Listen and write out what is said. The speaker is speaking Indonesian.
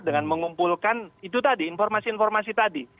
dengan mengumpulkan itu tadi informasi informasi tadi